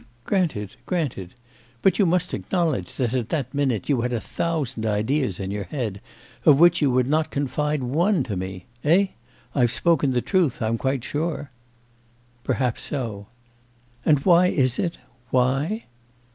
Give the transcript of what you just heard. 'Granted, granted. But you must acknowledge that at that minute you had a thousand ideas in your head of which you would not confide one to me. Eh? I've spoken the truth, I'm quite sure?' 'Perhaps so.' 'And why is it? why?